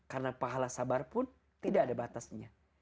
karena pahala sabar pun tidak ada batasnya